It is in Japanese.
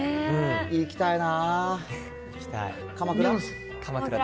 行きたいな。